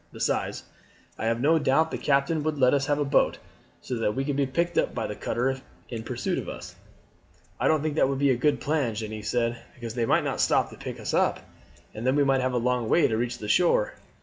Besides, I have no doubt the captain would let us have a boat, so that we could be picked up by the cutter in pursuit of us." "I don't think that would be a good plan," Jeanne said; "because they might not stop to pick us up, and then we might have a long way to reach the shore.